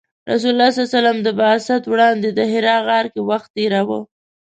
رسول الله ﷺ له بعثت وړاندې د حرا غار کې وخت تیراوه .